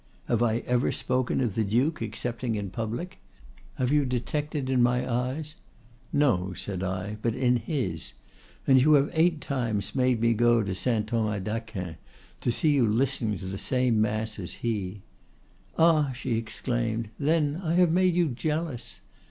Have I ever spoken of the Duke excepting in public? Have you detected in my eyes——?'—'No,' said I, 'but in his. And you have eight times made me go to Saint Thomas d'Aquin to see you listening to the same mass as he.'—'Ah!' she exclaimed, 'then I have made you jealous!